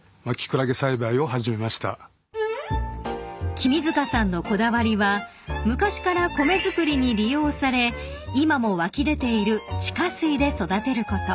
［君塚さんのこだわりは昔から米作りに利用され今も湧き出ている地下水で育てること］